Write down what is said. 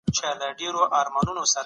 ابن خلدون موږ ته د ټولني رازونه وايي.